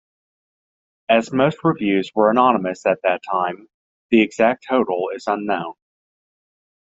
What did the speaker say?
As most reviews were anonymous at that time, the exact total is unknown.